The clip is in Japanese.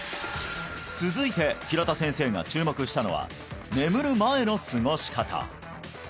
続いて平田先生が注目したのは眠る前の過ごし方